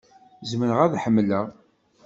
Zemreɣ ad ḥemmleɣ.